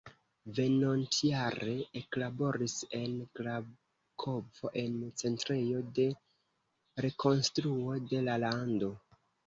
Venontjare eklaboris en Krakovo en Centrejo de Rekonstruo de la Lando.